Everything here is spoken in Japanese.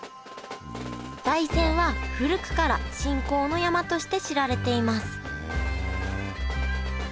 大山は古くから信仰の山として知られていますへえ！